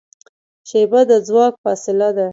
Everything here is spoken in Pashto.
شیبه د ځواک فاصله ده.